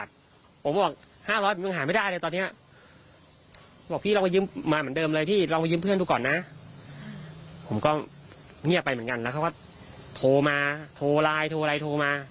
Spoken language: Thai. ผมก็เงียบไปเหมือนกันแล้วเขาก็โทรมาโทรไลน์โทรอะไรโทรมา